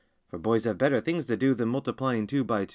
For boys have better things to do Than multiplying two by two!